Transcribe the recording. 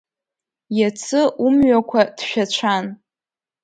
Иацы умҩақәа ҭшәацәан…